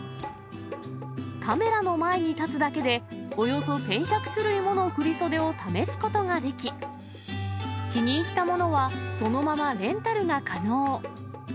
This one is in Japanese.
カメラの前に立つだけで、およそ１１００種類もの振り袖を試すことができ、気に入ったものはそのままレンタルが可能。